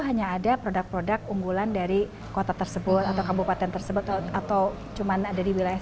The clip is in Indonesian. hanya ada produk produk unggulan dari kota tersebut atau kabupaten tersebut atau cuman ada di wilayah